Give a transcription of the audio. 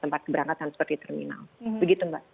tempat keberangkatan seperti terminal begitu mbak